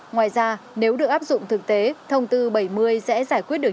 ngoài ra nếu được áp dụng thực tế thông tư bảy mươi sẽ giải quyết được